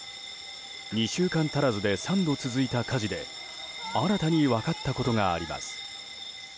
２週間足らずで３度続いた火事で新たに分かったことがあります。